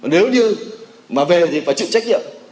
nếu như mà về thì phải chịu trách nhiệm